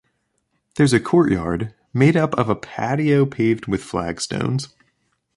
There is a courtyard made up of a patio paved with flagstones.